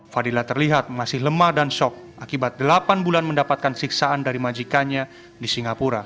fadilah terlihat masih lemah dan shock akibat delapan bulan mendapatkan siksaan dari majikanya di singapura